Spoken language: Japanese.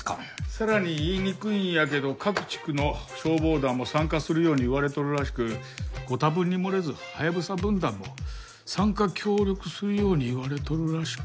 さらに言いにくいんやけど各地区の消防団も参加するように言われとるらしくご多分に漏れずハヤブサ分団も参加協力するように言われとるらしく。